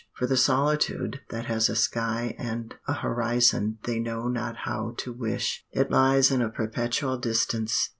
For the solitude that has a sky and a horizon they know not how to wish. It lies in a perpetual distance.